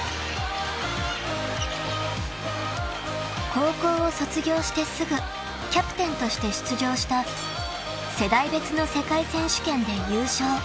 ［高校を卒業してすぐキャプテンとして出場した世代別の世界選手権で優勝。